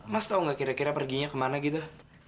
mas tau gak kira kira perginya kemana gitu